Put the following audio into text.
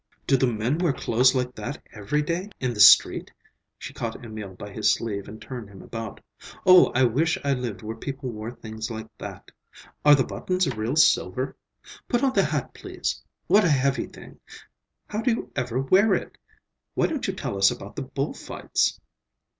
"Do the men wear clothes like that every day, in the street?" She caught Emil by his sleeve and turned him about. "Oh, I wish I lived where people wore things like that! Are the buttons real silver? Put on the hat, please. What a heavy thing! How do you ever wear it? Why don't you tell us about the bull fights?"